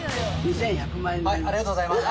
ありがとうございます。